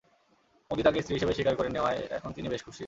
মোদি তাঁকে স্ত্রী হিসেবে স্বীকার করে নেওয়ায় এখন তিনি বেশ খুশি।